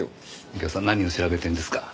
右京さん何を調べてるんですか？